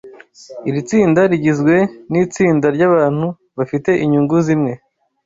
Iri tsinda rigizwe nitsinda ryabantu bafite inyungu zimwe